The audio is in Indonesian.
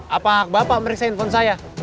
apa hak bapak meriksa telepon saya